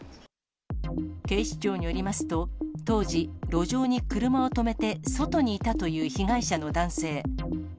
警視庁によりますと、当時、路上に車を止めて外にいたという被害者の男性。